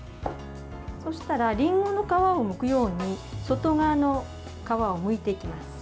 そしたらりんごの皮をむくように外側の皮をむいていきます。